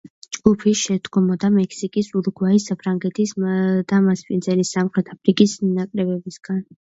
ჯგუფი შედგებოდა მექსიკის, ურუგვაის, საფრანგეთის და მასპინძელი სამხრეთ აფრიკის ნაკრებებისგან.